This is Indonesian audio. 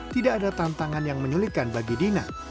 tidak ada tantangan yang menyulitkan bagi dina